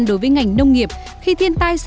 đối với ngành nông nghiệp khi thiên tai